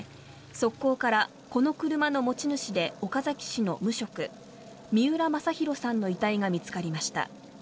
側溝からこの車の持ち主で岡崎市の無職三浦正裕さんの遺体が見つかりました。